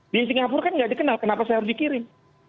di singapura kan nggak dikenal kenapa saya harus dikirim